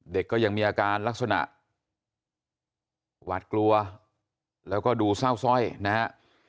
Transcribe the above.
เด็กก็ยังมีอาการลักษณะหวาดกลัวแล้วก็ดูเศร้าสร้อยนะฮะ